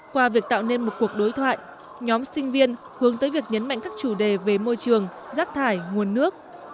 qua việc tạo nên một cuộc đối thoại nhóm sinh viên hướng tới việc nhấn mạnh các chủ đề về môi trường rác thải nguồn nước